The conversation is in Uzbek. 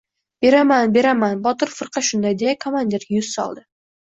— Beraman, beraman... — Botir firqa shunday deya, komandirga yuz soldi.